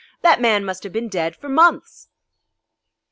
That man must have been dead for months!"